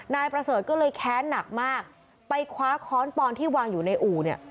นายประเสริฐก็เลยแค้นหนักมากไปคว้าค้อนปอนที่วางอยู่ในอู่เนี่ย